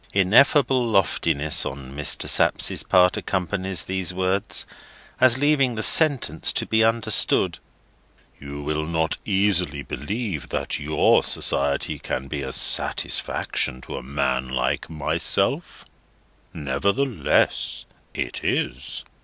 Ineffable loftiness on Mr. Sapsea's part accompanies these words, as leaving the sentence to be understood: "You will not easily believe that your society can be a satisfaction to a man like myself; nevertheless, it is."